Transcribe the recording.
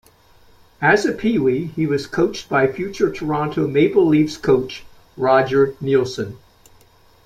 As a PeeWee he was coached by future Toronto Maple Leafs coach Roger Neilson.